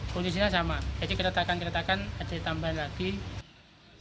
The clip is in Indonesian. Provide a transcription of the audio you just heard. kondisinya sama jadi keretakan keretakan ada tambahan lagi